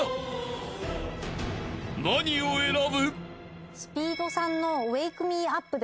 ［何を選ぶ？］